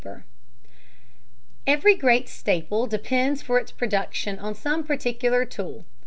The McCormick Reaper. Every great staple depends for its production on some particular tool.